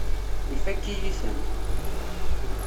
Ifakk-iyi-ten.